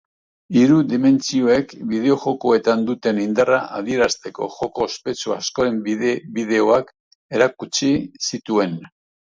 Hiru dimentsioek bideojokoetan duten indarra adierazteko joko ospetsu askoren bideoak erakutsi zituen.